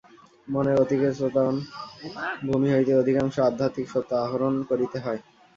মনের অতিচেতন ভূমি হইতেই অধিকাংশ আধ্যাত্মিক সত্য আহরণ করিতে হয়।